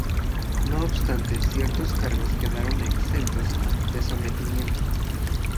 No obstante, ciertos cargos quedaron exentos de sometimiento.